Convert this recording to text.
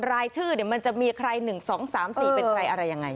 รายชื่อมันจะมีใคร๑๒๓๔เป็นใครอะไรยังไง